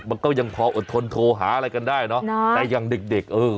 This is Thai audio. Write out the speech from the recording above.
มันก็ยังพออดทนโทรหาอะไรกันได้เนอะแต่อย่างเด็กเด็กเออ